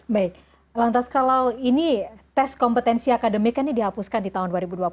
baik lantas kalau ini tes kompetensi akademik ini dihapuskan di tahun dua ribu dua puluh